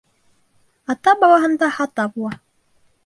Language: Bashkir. Ата балаһында хата була.